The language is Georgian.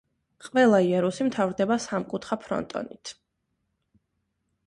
ყველა იარუსი მთავრდება სამკუთხა ფრონტონით.